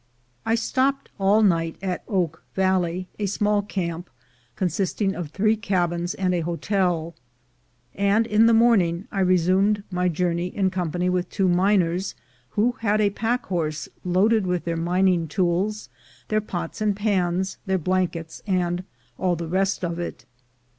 I stopped all night at Oak Valley, a small camp, consisting of three cabins and a hotel, and in the morning I resumed my journey in company with two miners, who had a pack horse loaded with their mining tools, their pots and pans, their blankets, and all the rest of it.